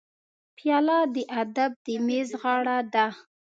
پیاله د ادب د میز غاړه ده.